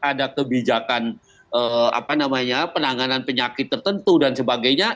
ada kebijakan penanganan penyakit tertentu dan sebagainya